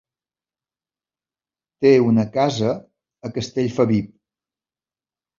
Té una casa a Castellfabib.